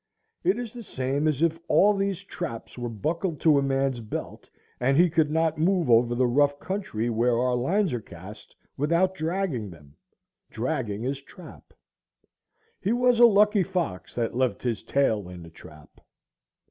It is the same as if all these traps were buckled to a man's belt, and he could not move over the rough country where our lines are cast without dragging them,—dragging his trap. He was a lucky fox that left his tail in the trap.